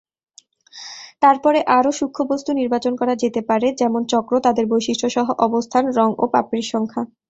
তারপরে আরও সূক্ষ্ম বস্তু নির্বাচন করা যেতে পারে, যেমন চক্র, তাদের বৈশিষ্ট্য সহ অবস্থান, রঙ ও পাপড়ির সংখ্যা।